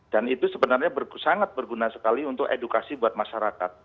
dan itu sebenarnya sangat berguna sekali untuk edukasi buat masyarakat